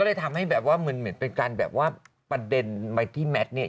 เลยทำให้แบบว่าเหมือนเป็นการแบบว่าประเด็นไปที่แมทเนี่ย